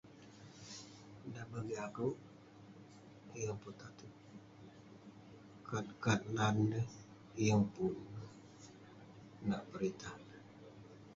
Dan bagik akouk, yeng pun taterk..kat kat nan neh yeng pun..nak peritah..